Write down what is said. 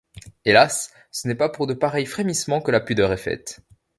Hélas! ce n’est pas pour de pareils frémissements que la pudeur est faite.